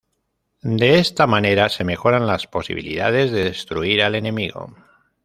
De esta manera se mejoran las posibilidades de destruir al enemigo.